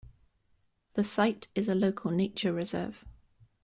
The site is a local Nature Reserve.